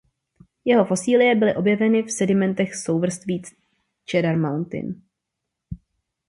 Jeho fosilie byly objeveny v sedimentech souvrství Cedar Mountain.